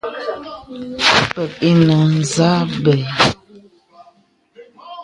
Pə̀k ǐ nə̀ zâ bə̀.